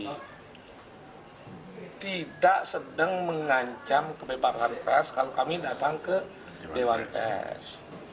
kami tidak sedang mengancam kebebasan pers kalau kami datang ke dewan pers